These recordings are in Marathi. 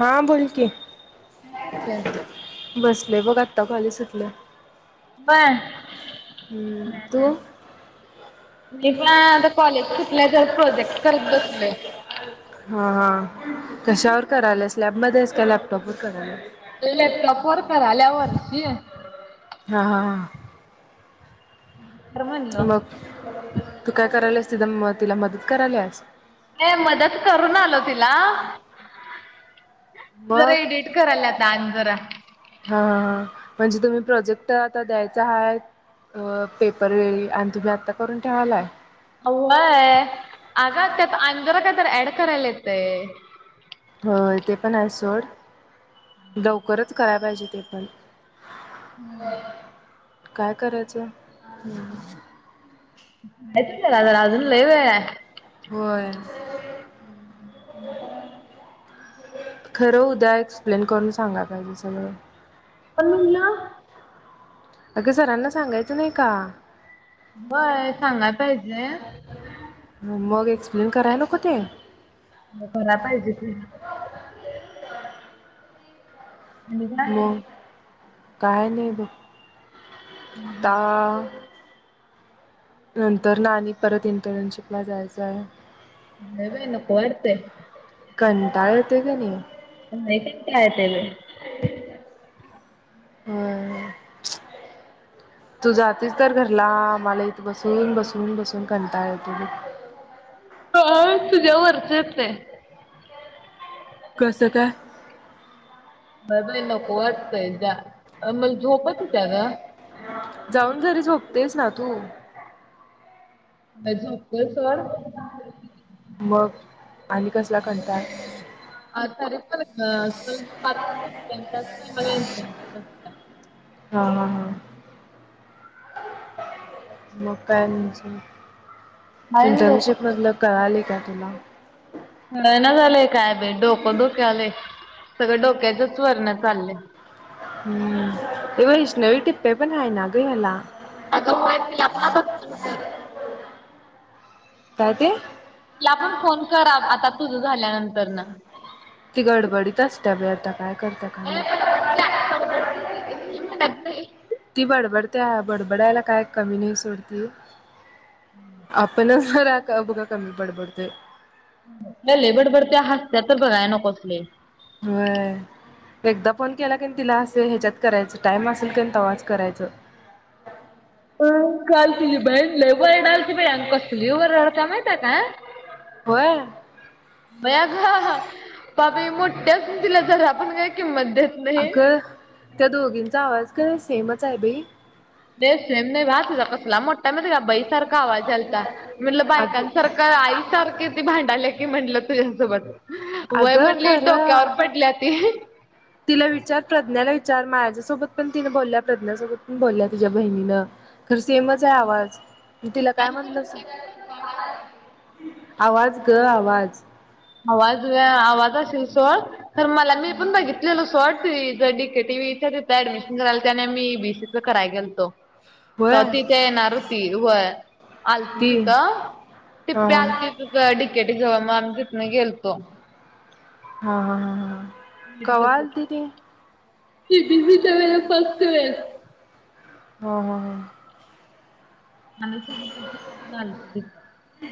हा बोल की काय कराल्यास बसलोय बघ आता कॉलेज सुटल होय हम्म तू मी पण आता कॉलेज सुटलंय जरा प्रोजेक्ट करत बसलोय हा कशावर कराल्यास लॅब मध्ये आहेस काय लॅपटॉप वर कराल्यास लॅपटॉप वर कराल्या वर्षी हा -हा- हा कर म्हणलो मग तू काय कराल्यास तिथं मग तिला मदत कराल्यास नाही मदत करून आलो तिला जरा मग एडिट कराल्या आत्ता आणि जरा हा -हा -हा म्हणजे तुम्ही प्रोजेक्ट आता द्यायचा हाय अ पेपर वेळी आणि तुम्ही आत्ता करून ठेवालाय होय अग त्यात आणि जरा कायतर ऍड करायला येतय होय ते पण हायच सोड लवकरच करायला पाहिजे ते पण हं काय करायचं येतेय जरा-जरा अजून लई वेळ हाय होय खरं उद्या एक्सप्लेन करून सांगायला पाहिजे सगळ पण म्हणल अग सरांना सांगायच नाही का होय सांगायला पाहिजे मग एक्सप्लेन करायला नको ते होय करायला पाहिजे की आणि काय? मग काय नाही बघ आता नंतर न आणि परत इंटर्नशिप ला जायच हाय लय बाई नको वाटतंय. कंटाळ येतोय कणी लई कंटाळा येतोय बई होय तू जातीस तर घरला आम्हाला इथ बसून- बसून- बसून कंटाळा येतोय लई आम्हाला तुझ्या वरच येतय कसं काय व्हय बई नको वाटतय मला झोपच येत्या गं जाऊन घरी झोपतेस ना तू होय झोपतोय सोड मग आणि कसला कंटाळा आज तारीख काय आज मला दुपार पर्यंत [unintelligible] हा -हा- हा मग काय म्हणजे आहे लोक इंटर्नशिपमधलं कळालय का तुला कळना झालंय काय बाई डोकं दुखालय. सगळं डोक्याचच वरण चाललं. हम्म तेव्हा वैष्णवी टिप्प्या पण आहे ना ग हेला. अगं होय तिला पण काय ते? तिला पण फोन करआता तुझ झाल्यानंतर नं. ती गडबडीत असत्या बाई आता काय करत्या काय माहित. नाही [inaudible] ती बडबडते्या बडबडायला काय कमी नाही सोड ती. आपण जरा बघ कमी बडबडतोय. हे लय बडबड त्या हसत्या तर काय बघायलाच नको. होय. एकदा फोन केला की तिला असे ह्याच्यात करायचं टाइम असेल क तेव्हाच करायचं काल तुझी बहीण लय ओरडालती बाई कसली ओरडत्या माहिती काय. होय. व्हय अगं पाप ही मोठी असुन तिला जरा पण काय किंमत देत नाही. अगं त्या दोघींचा आवाज काय सेमच आहे बाई. ते सेम नाही बाह तीझा कसला मोठा माहीत्या का सेम बाईसारखा आवाज यालता म्हटलं अग बायकांसारखं का आई सारखे ते भांडाले की म्हटलं तुझ्यासोबत वय अगं म्हणली डोक्यावर खरं पडल्या ती. तिला विचार प्रज्ञाला विचार माझ्यासोबत पण तिनें बोलल्या प्रज्ञासोबत पण बोलल्या तिच्या बहिणीनं खरं सेमच आहे आवाज तिला काय म्हटलं स आवाज ग आवाज. आवाज ग आवाज असेल सोड तर मला मी पण बघितलेल सोड ज ती [unintelligible] ऍडमिशन कराय त्या आणि मी ईबीसीचा कराय गेलतो. होय तर तिथे येणार होती, वय आलती ती हा तिथं टिप्पी हा हा आलती त डीकेटी जवळ मग आम्ही तिथन गेलतो. हा हा हा कवा आलती ती. ह [inaudible] आणि तपिप [inaudible]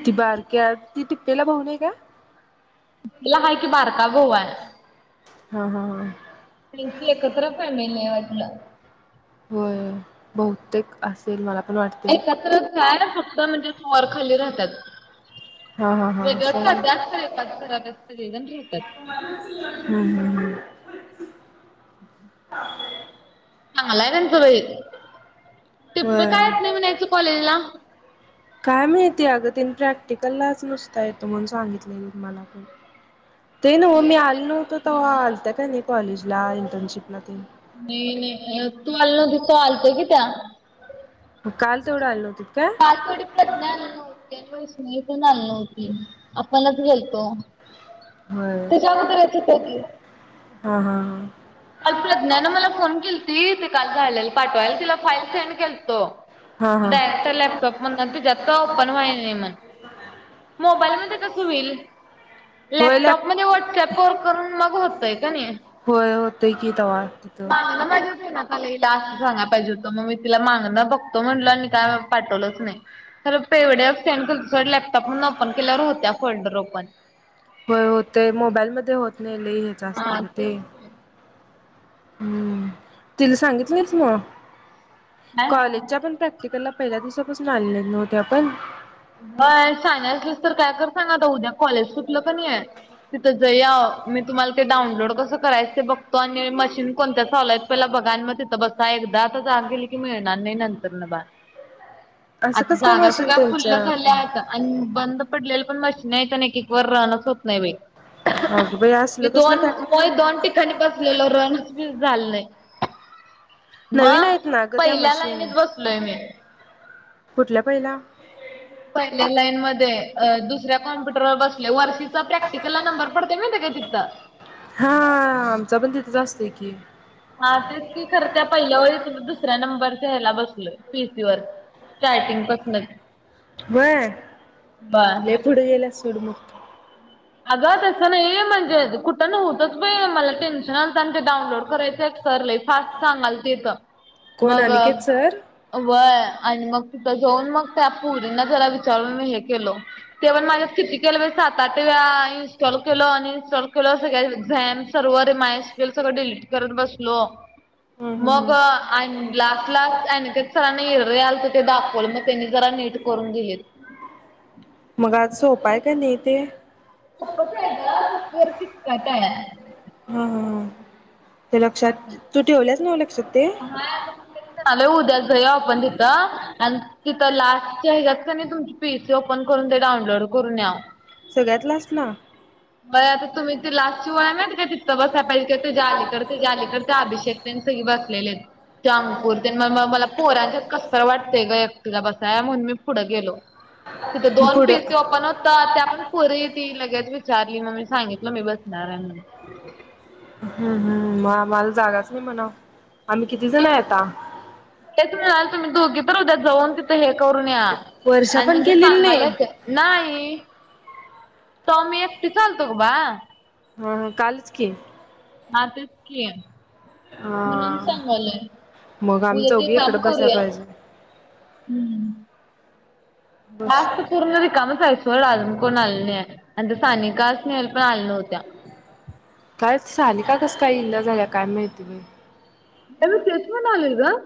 ती बारक्या ती टिप्प्याला भाऊ नाय काय. तीला हाय कि बारका भाऊ आहे. हां हां हां त्यांची एकत्र फॅमिली आहे वाटतं. होय बहुतेक असं ते मला प वाटतं [inaudible] एकत्र काय फक्त म्हणजे वर खाली राहतात. हा हा हा वेगळंच असेल राहतात, खंर एकाच घरात सगळे जन फिरत्यात. हम्म हम्म हम्म हां... चांगल्यात तेच बाई, टिप्पी का यते होय नाय म्हणायचं कॉलेजला? काय माहिती अगं तीने प्रॅक्टिकललाच नुसता येतो म्हणून सांगितलं मला. [inaudible] ते नव्ह मी आलो नव्हतो तेव्हा आलत काय नाही कॉलेजला इंटर्नशिपला ते, नाही नाही तू आली नव्हतीस तेव्हा आलतंय की त्या. म काल तेवढं आलं होतेत का? नाही आल नव्हती वैष्णवी पण आलेली नव्हती आपणच गेलतो. होय हा हा. काल प्रज्ञाानं मला फोन केलीती ते काल राहलेलं पाठवायला तिला फाईल सेंड केलतो. हा हा डारेक्ट लॅपटॉप म्हणलो त्याच्यात तो ओपन व्हायना म्हण. मोबाईलमध्ये कसं होईल? होय लॅपटॉप लॅप मध्ये व्हॉट्सअप वर करून मग होतंय का नाही. होय होतोय की तव्हां तिथं. मला हिला असं सांगा पाहिजे होतं मग मी तिला मागणं बघतो म्हणलं आणि काय पाठवलंच नाही. खरं पेव डी एफ सेंड केल सोड लॅपटॉप म्हणून ओपन केल्यावर होत्या फोल्डर ओपन. होय होते मोबाईल मध्ये होत नाही लई हेच्या असते हा हे तेच ते. हम्म तिला सांगितलंस नाहीस म कॉलेजच्या पण प्रॅक् टिकल पहिल्या दिवसापासून आले नाहीत नव्हते आपण. वय सानिया असलंस तर काय कर सांग आता उद्या कॉलेज सुटलं क नाहीये. तिथं जईया मी तुम्हाला ते डाउनलोड कसं करायचं ते बघतो आणि मशीन कोणत्या खोलाय पहिले बघा आणि म तिथं बसाय एकदातच की मिळणार नाही नंतर ना बा. असं कसं काय मशीन तेन? फुलं झाल्या आता आणि बंद पडलेले पण मशीन आहे एक एक व रनच होत नाही बाई. अग बाई मी असलं कसलं दोन काय कोय दोन ठिकाणी बसलेलो रनच बी झालं नाही. म नवीन आहेत ना ग त्या पहिल्या मशीन लाईनीत बसलोय मी. कुठल्या पहिला? पहिल्या लाईन मध्ये अ दुसऱ्या कॉम्प्युटरवर बसले वर्षीचा प्रॅक्टिकलला नंबर पडते महिती काय तिथं. हा आमचा पण तिथंच असतोय की. हा तेच की खरं त्या पहिल्या ओळीतून दुसऱ्या नंबरच्या ह्याला बसलो पी सी वर. स्टार्टिंग पसनच बा. पुढं गेल्या सोड मग. तू अगं तसं नाही म्हणजे कुठं नव्हतंच बाई मला टेन्शन आलतं आणि ते डाऊनलोड करायचं सर लय फास्ट सांगल मला तिथं कोण मग अनिकेत सर अ व्हय आणि मग तिथं जाऊन मग त्या पोरींना जरा विचारून मी हे केलो. तेवण माझ्या किती केलं बाई सात त्याजा इन्स्टॉल केलो अनइनस्टॉल केलो सगळ्या झॅम सर्व्हर मायस केलं सगळं डिलीट करत बसलो. हम्म हम्म मग हम्म आन लास्ट लास्ट आणि ते सरांनी घरी आलतं ते दाखवलं मग त्यांनी जरा नीट करून दिलेत. मग आज सोपा हाय क नी ते. सोप्पचं आहे गं [unintelligible] करत्या. हा हा ते लक्षात तू ठेवल्यास नाव लक्षात ते. नाही [inaudible] उद्या जाऊ या आपण तिथं आणि तिथं लास्ट च्या हेज्यात क नी तुम्ही तुमची पी सी ओपन करून दे डाऊनलोड करून न्याव. सगळ्यात लास्ट ला? व्हयं आता तुम्ही ते लास्टची वळ आहे ना ती काय तिथं बसाय पाहिजे किंवा तिज्या अलीकडं तिज्या अलीकडं त्या अभिषेक तेन सगळी बसलेले आहेत. तो अंकुर तेन मग म मला पोरांच्यात कसतरी वाटतय गं एकटीला बसाय म्हणून मी पुढं गेलो. तिथं दोन पी पुढं सी ओपन होत त्या पण पोरी ती लगेच वी चारली मग मी सांगितलं मी बसणार आहे म्हणून. [unintelligible] हम्म हम्म, मग आम्हाला जागाच नाही म्हणा, आम्ही किती जण आहे आता? तेच म्हणालते, तुम्ही दोघी तर उद्या जाऊन तिथं हे करून या वर्षा आणि पण म्हणजे केलेली नाही सांगायला येतंय नाही, तवा मी एकटीच आलतो गं बाळ. हो हो, कालच की? हा, तेच की. म्हणून हा सांगालोय, मग आम्ही उद्या ते चौघी काम इकडं बसाय करूया. पाहिजे हम्म. बस जास्त पूर्ण रिकामच हायत. सोड आजून कोण आलेल नाहीये आणि ते सानिका, स्नेहल पण आल्या नव्हत्या. कायच, सानिका कसं काय इना झाल्या काय माहिती बाई? मी पण तेच म्हणालोय गं.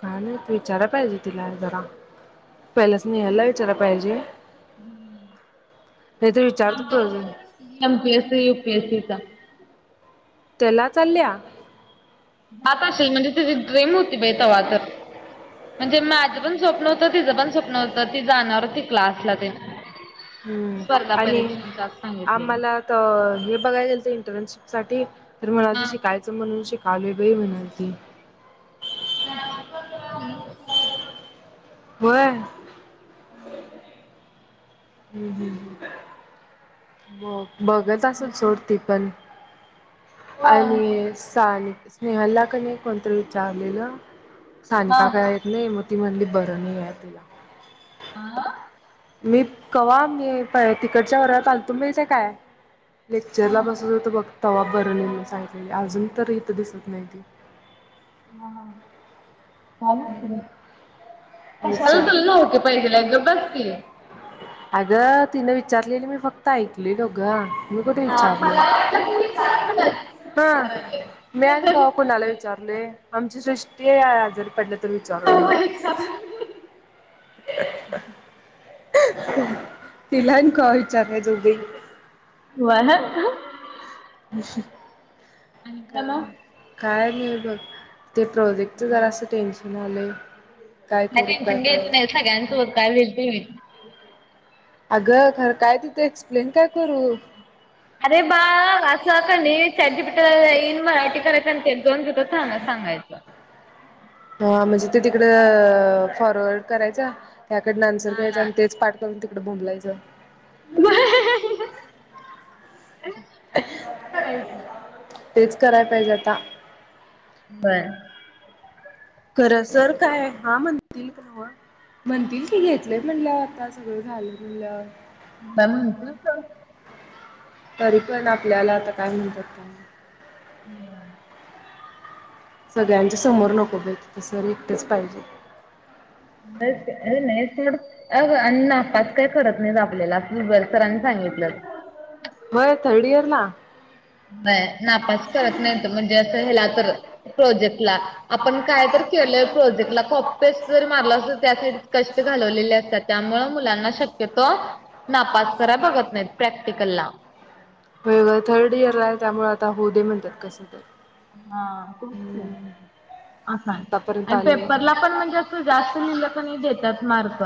काय माहित विचाराय पाहिजे तिला जरा. पहिला स्नेहलला विचाराय पाहिजे. नाही तर विचारतो प्रोज M P S C, U P S C चा. त्याला चालल्या? जात अशील म्हणजे तिची ड्रीम होती बाई तवा तर. म्हणजे माझं पण स्वप्न होतं. तिझं पण स्वप्न होतं. ती जाणार होती क्लासला ते न. हम्म, आणि सांगितलेली. आम्हाला तर हे बघाय गेलतो इंटर्नशिपसाठी तर, म्हणाल ती हा. शिकायचं म्हणून शि कालोय बाई म्हणालती. [unintelligible] होय? हम्म. हम्म, हम्म, हम्म. मग बघत असल सोड ती पण आणि सानि स्नेहालला कनी कोणतरी विचारलेलं, सानिका का येतं नाही? मग ती म्हणली, बरं नाहीये तिला. आ? मी कवा मी तिकडच्या वर्गात आलतो, माहितेय काय? लेक्चरला बसत होतो बघ, तवा बरं नाही म्हणून सांगितलेली. अजून तर इथं दिसत नाही ती. हा हा ह, काय माहिती बाई? कशाला विचार तुला नाहोक पाहिजेले? गप्प बस की. अग तिनं विचारलेली, मी फक्त ऐकलेलो गं. मी कुठ विचारलोय? ह मी आणि कवा कुणाला विचार लोय? आमची सृष्टी आजारी पडलं तर विचारून मग तिला आणि कवा विचारायलं जावू बाई? व्हयं. [unintelligible] का काय नाही बघ, ते प्रोजेक्टच जरासं टेन्शन आलंय. काय टेन्शन घ्यायच नाही, सगळ्यांसोबत काय होईल ते होईल. अगं खरं, काय तिथ एक्सप्लेन काय करू? अरे बाळ, असं क नी चाट जी पी टी ला ईन मराठी करायचं आणि तेच जाऊन तिथं कानात सांगायचं. हा म्हणजे तिकडं फॉरवर्ड करायचा, त्याकडंन आन्सर घ्यायचा हा. आणि तेच पाठ चल तिकड बोबलायचं. हां तेचं करायचं तेचं करांयला पाहिजे आंता बरं खरं सरं कायं हां म्हणतील म्हणतील की घेतलेय म्हणलं आंता सगळं झालं म्हणलं चालूं म्हटलं चालूं तरी पणं आपल्यांला आंता कायं म्हणतांत कां नाहीं हम्मं सगळ्यांच्या समोर नको बाई तिथं सरं एकटेचं पाहिजे नाहीं अं अण्णां नापास कायं करतं नाहीं आपल्यांला गूंगल सरांनी सांगितलं होयं थर्ड इयंर लां नापास करतं नाहींतं म्हणजे असं हेलां तरं प्रोजेक्ट लां आपणं कायं तरं केलंय प्रोजेक्टला कॉप पेस जरं मारलां असलं तरं त्यांसाठी क घालवलेले असतांत त्यांमुळे मुलांना शक्यतोवरं ना पास करांय बघतं नाहींतं प्रॅक्टिकल लां होयन होयं थर्ड इयंरला त्यांमुळे आंता हो दे म्हणतांत कसं हां खूंप हम्म आंता आतापर्यंत आणि आले पेपरलां पणं म्हणजे असं जास्तं लिहिले पणी देतांत मार्क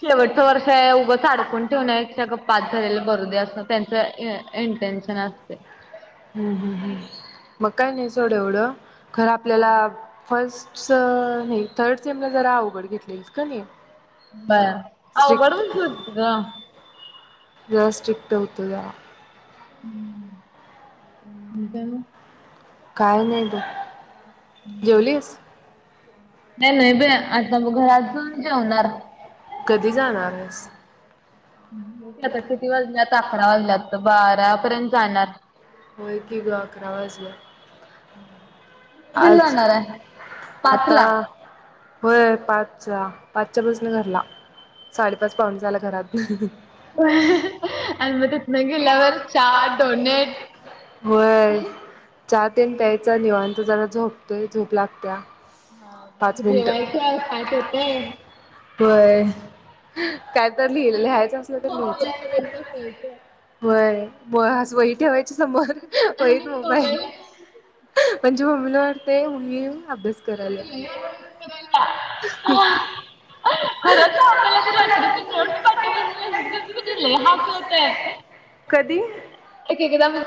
शेवटचं वर्ष उगंचडकूंन ठेवण्यात पेक्षा पास करांयला करूंदयां असं त्यांच इंटेनशन असते हम्मं हम्मं हम्मं मंग कांहीं नाहीं सोडं एवढं खरं आपल्यांला फर्स्ट नाहीं थर्ड सेमवलां जरां अवघंड घेतलेस कां नाहीं बडदरांत अवघंड होऊंन जाते गं जिकटयां टीक होतं जां हम्मं कोणं कायं नाहीं तूं जेवलीस नाहीं नाहीं बे आंता मगं घरं अजूंन जेवणारं कधीं जाणारं आहेसं आंता किती वाजल्यांत अकरा वाजल्यांत तरं बारा पर्यंत जाणारं होयं की गं अकरा वांजलेत कधी आंज जाणार आहे? आंता पाचला. होयं पांच पाचच्यां बाजूंन घरंला साडेपांच पाहूंन झालान घरांत हं हं आणि मंग तीकडे गेल्या वरं चांट हो व्हयं चहा तेनं प्यायचां निवांत जरां झोपतोय झोप लागत्यां हां जेवायचं तांट येतंय होयं कायं तरं लिहिलं लिहायचं असलं तरं लिहिचं व्हंय मंग आंज वई ठेवांयच्या समोर वईत मोबाईल म्हणजे मम्मीला वाटतेय मी नं अभ्यास करांयला हं खरंच आंला तर्री नोट्स पा हांप येतोय कधीं ते केकदमं